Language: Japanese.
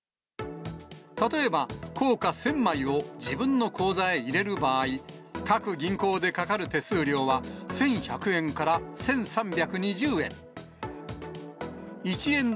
例えば硬貨１０００枚を自分の口座へ入れる場合、各銀行でかかる手数料は、１１００円から１３２０円。